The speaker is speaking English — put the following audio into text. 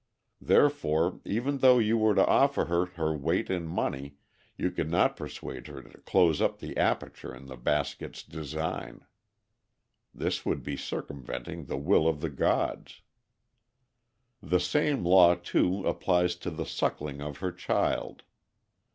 Therefore, even though you were to offer her her weight in money, you could not persuade her to close up the aperture in the basket's design. This would be circumventing the will of the gods. The same law, too, applies to the suckling of her child.